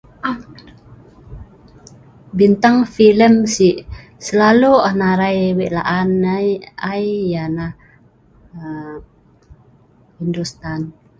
Bintang filem si selalu on arai wei' la'an nai ai ianah aaa industan.